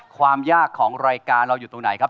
ความยากของรายการเราอยู่ตรงไหนครับ